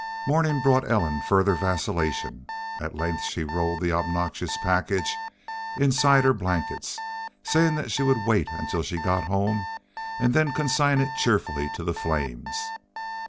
Morning brought Ellen further vacillation. At length she rolled the obnoxious package inside her blankets, saying that she would wait until she got home and then consign it cheerfully to the flames.